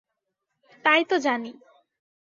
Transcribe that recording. তাই তো জানি।